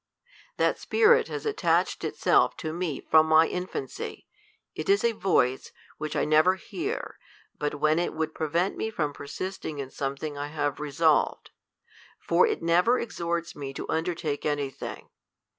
That spirit has attached itself to me from my infancy ; it is a voice, which I never hear, but when it would prevent me from persisting in something I have resolved ; for it never exhorts me to undertake any thing.